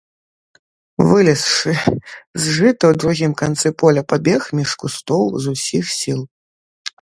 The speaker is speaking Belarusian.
Вылезшы з жыта ў другім канцы поля, пабег між кустоў з усіх сіл.